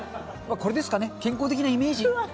これですかね、健康的なイメージ。